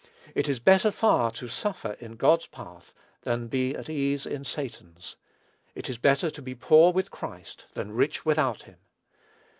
_ It is better far to suffer in God's path, than be at ease in Satan's. It is better to be poor with Christ, than rich without him.